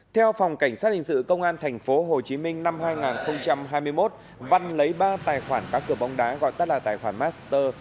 theo phòng cảnh sát hình sự công an tp hcm năm hai nghìn hai mươi một văn lấy ba tài khoản các cửa bóng đá gọi tắt là tài khoản master